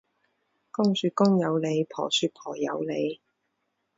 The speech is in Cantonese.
公說公有理，婆說婆有理